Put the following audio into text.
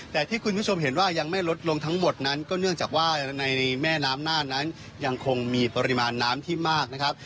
แต่ที่คุณผู้ชมเห็นว่ายังไม่ลดลงทั้งหมดนั้นก็เนื่องจากว่าในแม่น้ำน่านนั้นยังคงมีปริมาณน้ำที่มากนะครับ